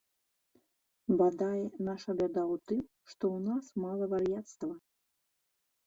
Бадай, наша бяда ў тым, што ў нас мала вар'яцтва.